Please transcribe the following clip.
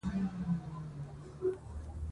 مرګ او ژوبله پکې کمه نه سوه.